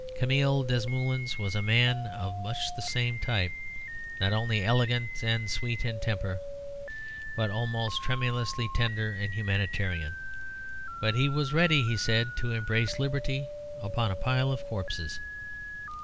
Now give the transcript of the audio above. Camille Desmoulins was a man of much the same type, not only elegant and sweet in temper, but almost tremulously tender and humanitarian. But he was ready, he said, "to embrace Liberty upon a pile of corpses."